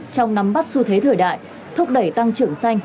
trong nắm bắt xu thế thời đại thúc đẩy tăng trưởng xanh